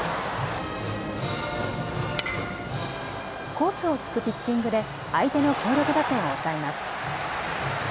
コースをつくピッチングで相手の強力打線を抑えます。